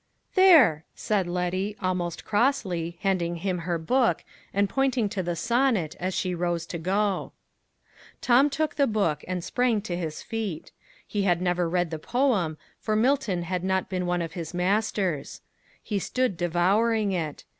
"There!" said Letty, almost crossly, handing him her book, and pointing to the sonnet, as she rose to go. Tom took the book, and sprang to his feet. He had never read the poem, for Milton had not been one of his masters. He stood devouring it.